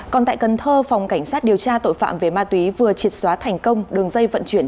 còn tại cần thơ phòng cảnh sát điều tra tội phạm về ma túy vừa triệt xóa thành công đường dây vận chuyển